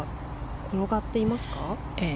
転がっていますか？